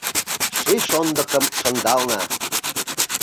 Ший шондыкым шындална